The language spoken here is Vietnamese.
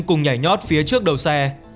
cùng nhảy nhót phía trước đầu xe